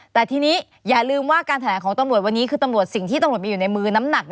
แต่ทีนี้อย่าลืมว่าการแถลงของตำรวจวันนี้คือตำรวจสิ่งที่ตำรวจมีอยู่ในมือน้ำหนัก